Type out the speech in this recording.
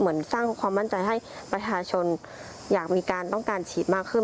เหมือนสร้างความมั่นใจให้ประชาชนอยากมีการต้องการฉีดมากขึ้น